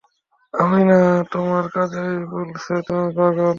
আমি না, তোমার কাজই বলছে তুমি পাগল।